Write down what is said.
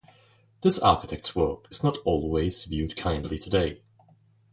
This architect's work is not always viewed kindly today.